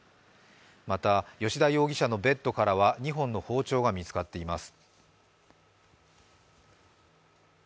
また、吉田容疑者のベッドからは２本の包丁が見つかっています。